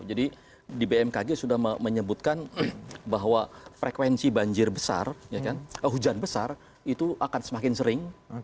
jadi di bmkg sudah menyebutkan bahwa frekuensi banjir besar hujan besar itu akan semakin sering